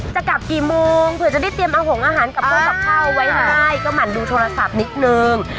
จะกลับกี่โมงเผื่อจะได้เตรียมอาหารกับพวกกับข้าวไว้ให้ได้ก็หั่นดูโทรศัพท์นิดนึง